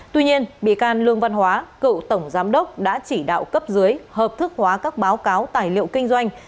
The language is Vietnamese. tuy nhiên bị can lương văn hóa cựu tổng giám đốc đã chỉ đạo cấp dưới hợp thức hóa các báo cáo tài liệu kinh doanh